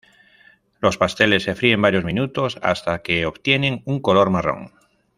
Los pasteles se fríen varios minutos hasta que obtienen un color marrón.